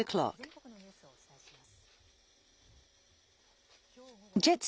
全国のニュースをお伝えします。